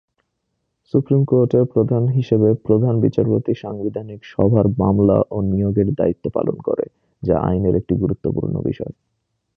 Supreme কোর্টের প্রধান হিসেবে প্রধান বিচারপতি সাংবিধানিক সভার মামলা ও নিয়োগের দ্বায়িত্ব পালন করে, যা আইনের একটি গুরুত্বপূর্ণ বিষয়।